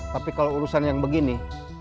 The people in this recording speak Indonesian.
tapi kalau urusan yang begini